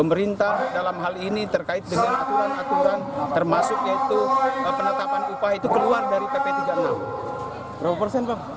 berapa persen pak